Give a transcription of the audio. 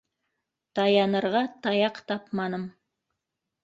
Таянырға таяҡ тапманым.